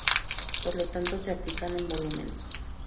Por lo tanto, se aplican en volúmenes.